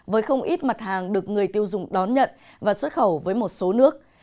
với không ít mặt hàng được người tiêu dùng đón nhận và xuất khẩu với một số nước